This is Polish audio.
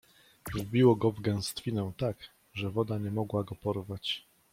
Wbiło go w gęstwinę tak, że woda nie mogła go porwać.